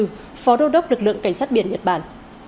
phó đô đốc lực lượng cảnh sát biển nhật bản